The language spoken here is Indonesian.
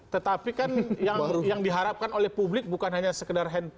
tetapi kan yang diharapkan oleh publik bukan hanya sekedar handphone